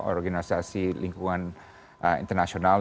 organisasi lingkungan internasional